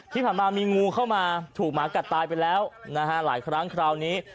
ที่ผ่านมามีงูเข้ามาถูกหมากัดตายไปแล้วนะฮะหลายครั้งคราวนี้